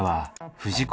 藤子